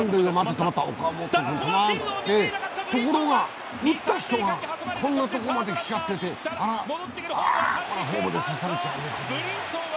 止まって、ところが打った人がこんなとこまで来ちゃってて、あら、これはホームで刺されちゃうね。